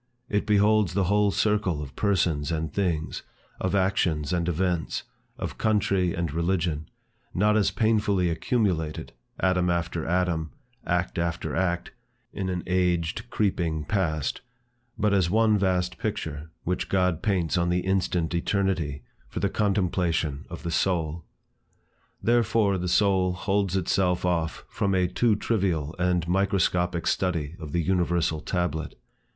It beholds the whole circle of persons and things, of actions and events, of country and religion, not as painfully accumulated, atom after atom, act after act, in an aged creeping Past, but as one vast picture, which God paints on the instant eternity, for the contemplation of the soul. Therefore the soul holds itself off from a too trivial and microscopic study of the universal tablet.